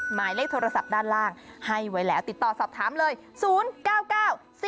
หมายเลขโทรศัพท์ด้านล่างให้ไว้แล้วติดต่อสอบถามเลย๐๙๙